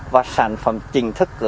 và sản phẩm chính thức